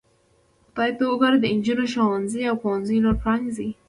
خدای ته وګورئ د نجونو ښوونځي او پوهنځي نور پرانیزئ.